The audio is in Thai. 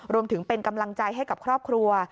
รวมถึงเป็นกำลังใจให้กับครอบครัว